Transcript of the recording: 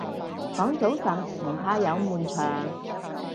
講早晨唔怕有悶場